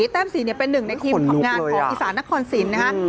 แต้มศรีเป็นหนึ่งในทีมของงานของอิษรณะขอนศิลป์นะคะ